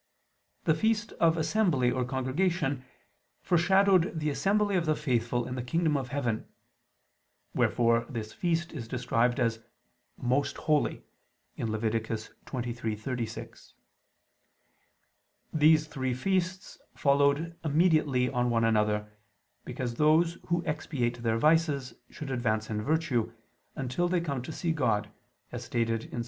The feast of Assembly or Congregation foreshadowed the assembly of the faithful in the kingdom of heaven: wherefore this feast is described as "most holy" (Lev. 23:36). These three feasts followed immediately on one another, because those who expiate their vices should advance in virtue, until they come to see God, as stated in Ps.